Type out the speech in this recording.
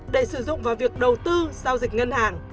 để sử dụng vào việc đầu tư giao dịch ngân hàng